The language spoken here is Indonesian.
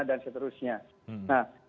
dan seterusnya nah